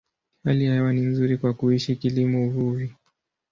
Hali ya hewa ni nzuri kwa kuishi, kilimo, uvuvi.